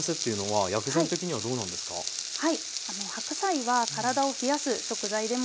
はい。